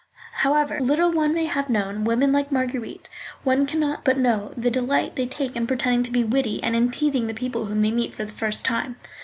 However little one may have known women like Marguerite, one can not but know the delight they take in pretending to be witty and in teasing the people whom they meet for the first time.